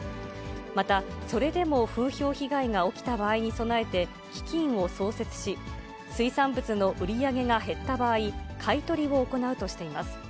また、それでも風評被害が起きた場合に備えて基金を創設し、水産物の売り上げが減った場合、買い取りを行うとしています。